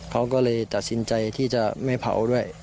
เขาก็เลยตัดสินใจที่จะไม่เผาด้วย